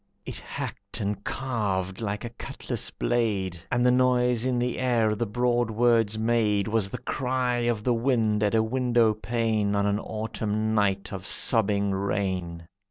It hacked and carved like a cutlass blade, And the noise in the air the broad words made Was the cry of the wind at a window pane On an Autumn night of sobbing rain.